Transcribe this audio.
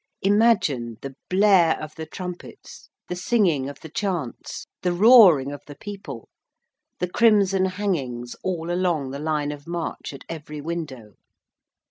Imagine the blare of the trumpets, the singing of the chants, the roaring of the people, the crimson hangings all along the line of march at every window.